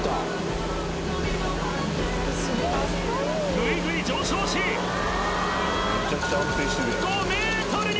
ぐいぐい上昇し５ｍに！